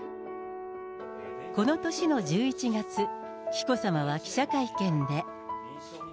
この年の１１月、紀子さまは記者会見で。